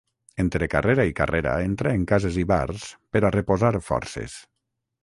Entre carrera i carrera entra en cases i bars per a reposar forces.